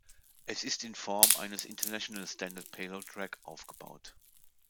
Es ist in Form eines International Standard Payload Rack aufgebaut.